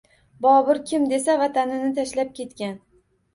Bobur kim desa, vatanini tashlab ketgan.